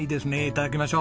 いただきます。